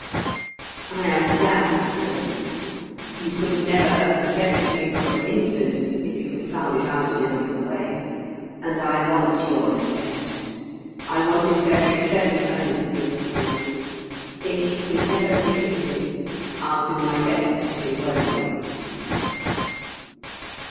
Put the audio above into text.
I am glad I told you. You could never have respected me for an instant if you had found it out in any other way; and I want your respect: I want it very, very earnestly, Miss Lorne. If you can ever give it to me I'll do my best to be worthy of it."